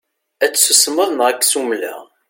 Ad tsusmeḍ neɣ ad k-ssumleɣ.